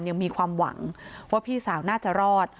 ยังมีความหวังว่าพี่สาวน่าจะรอด